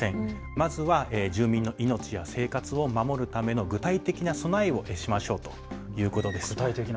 まずは住民の命や生活を守るための具体的な備えをしましょうということです。